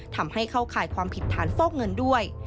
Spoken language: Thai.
ทำให้เข้าข่ายความผิดฐานฟอกเงินด้วย